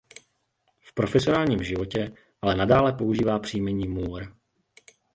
V profesionálním životě ale nadále používá příjmení Moore.